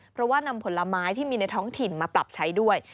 เพราะว่านำผลไม้ที่มีในท้องถิ่นมาปรับใช้ด้วย